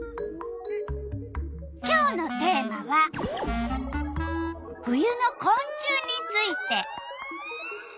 今日のテーマは「冬のこん虫」について。